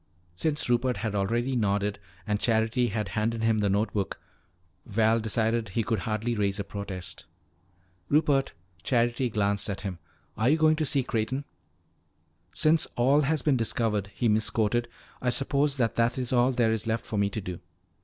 Since Rupert had already nodded and Charity had handed him the note book, Val decided that he could hardly raise a protest. "Rupert," Charity glanced at him, "are you going to see Creighton?" "Since all has been discovered," he misquoted, "I suppose that that is all there is left for me to do."